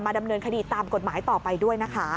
ดำเนินคดีตามกฎหมายต่อไปด้วยนะคะ